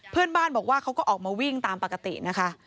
เพื่อนบ้านบอกว่าเขาก็ออกมาวิ่งตามปกตินะคะ